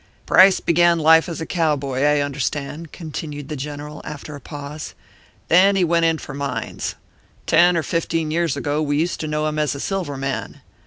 "Price began life as a cowboy, I understand," continued the General, after a pause. "Then he went in for mines. Ten or fifteen years ago we used to know him as a silver man.